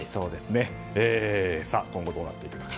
今後、どうなっていくのか。